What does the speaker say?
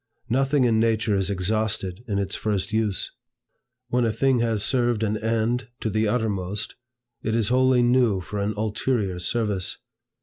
Nothing in nature is exhausted in its first use. When a thing has served an end to the uttermost, it is wholly new for an ulterior service.